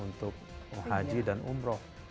untuk haji dan umroh